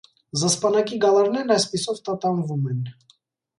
Զսպանակի գալարներն այսպիսով տատանվում են։